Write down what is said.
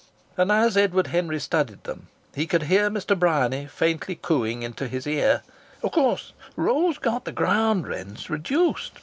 And as Edward Henry studied them he could hear Mr. Bryany faintly cooing into his ear: "Of course Rose got the ground rent reduced.